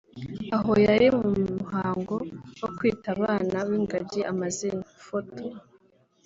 Aho yari mu muhango wo kwita abana b’ingagi amazina/Photo